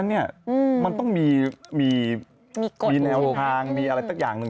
อันนี้อาจจะลำบ่างนิดหนึ่ง